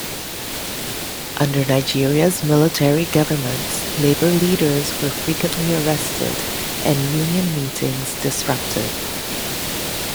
Under Nigeria's military governments, labour leaders were frequently arrested and union meetings disrupted.